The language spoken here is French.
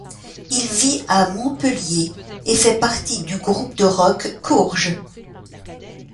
Il vit à Montpellier et fait partie du groupe de rock Courge.